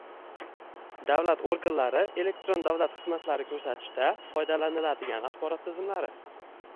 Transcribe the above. davlat organlari elektron davlat xizmatlari ko‘rsatishda foydalaniladigan axborot tizimlari